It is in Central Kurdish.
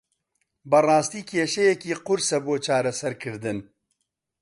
بەڕاستی کێشەیەکی قورسە بۆ چارەسەرکردن.